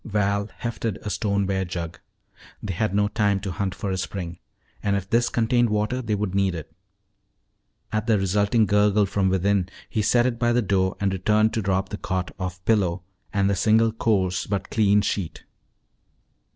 Val hefted a stoneware jug. They had no time to hunt for a spring. And if this contained water, they would need it. At the resulting gurgle from within, he set it by the door and returned to rob the cot of pillow and the single coarse but clean sheet.